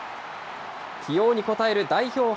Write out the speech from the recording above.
起用に応える代表